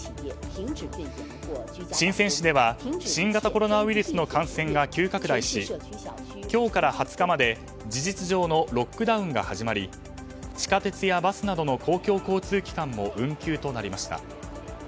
シンセン市では新型コロナウイルスの感染が急拡大し今日から２０日まで事実上のロックダウンが始まり地下鉄やバスなどの公共交通機関も運休となりました。